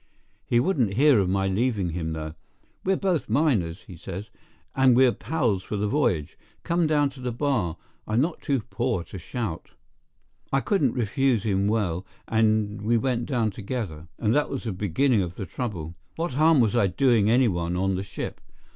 He wouldn't hear of my leaving him, though. "We're both miners," he says, "and we're pals for the voyage. Come down to the bar. I'm not too poor to shout." I couldn't refuse him well, and we went down together; and that was the beginning of the trouble. What harm was I doing any one on the ship?